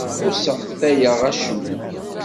Ur sseɣtayeɣ acemma.